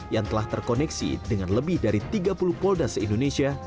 yang telah terkoneksi dengan lebih dari tiga puluh polda se indonesia